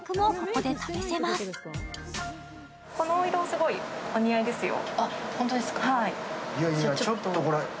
このお色、すごいお似合いですよ